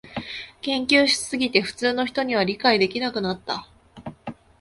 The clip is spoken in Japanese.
研究しすぎて普通の人には理解できなくなった